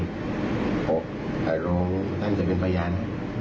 และลงจะเป็นพยาน